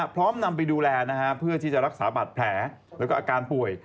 พร้อมนำไปดูแลเพื่อที่จะรักษาบาดแผลแล้วก็อาการป่วย